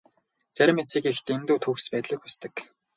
Зарим эцэг эх дэндүү төгс байдлыг хүсдэг.